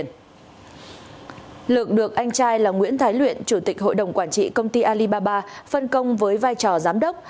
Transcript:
nhân thái luyện chủ tịch hội đồng quản trị công ty alibaba phân công với vai trò giám đốc